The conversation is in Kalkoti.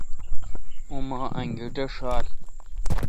اوما انگیٹھ ݭال۔